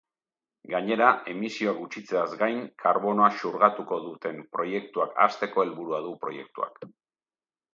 Gainera, emisioak gutxitzeaz gain karbonoa xurgatuko duten proiektuak hasteko helburua du proiektuak.